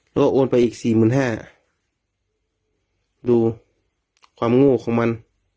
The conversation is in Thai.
ก็โอนไปอีกสี่หมื่นห้าดูความโง่ของมัน